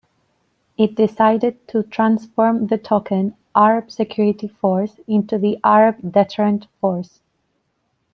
It decided to transform the 'token' Arab Security Force into the Arab Deterrent Force.